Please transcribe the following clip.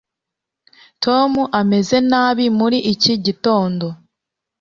tom ameze nabi muri iki gitondo